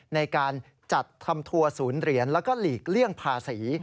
ในการจัดทำทัวร์ศูนย์เหรียญแล้วก็หลีกเลี่ยงภาษี